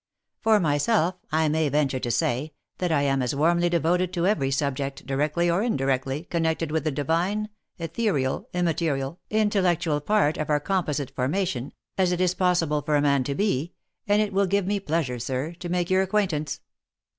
For my self, I may venture to say, that I am as warmly devoted to every subject, directly or indirectly, connected with the divine, ethereal, immaterial, intellectual part of our composite formation, as it is possible for a man to be, and it will give me pleasure, sir, to make your acquaintance."